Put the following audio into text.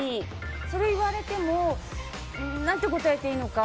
それ言われても何て答えていいのか。